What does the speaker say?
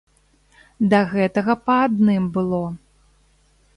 Да гэтага па адным было.